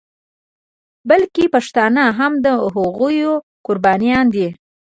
بلکې پښتانه هم د هغوی قربانیان دي.